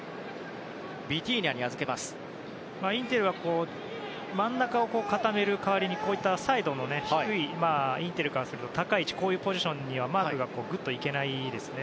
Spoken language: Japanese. インテルは真ん中を固める代わりにサイドの低いインテルからすると高い位置のポジションにはマークがぐっと行けないですね。